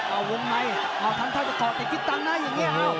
เอาวงไหมเอาทั้งเท้าจะต่อเตะกิ๊กต่างหน้าอย่างนี้ครับ